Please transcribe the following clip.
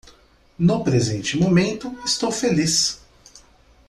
No presente momento, estou feliz